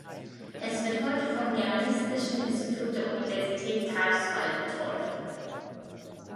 Es wird heute vom Germanistischen Institut der Universität Greifswald betreut.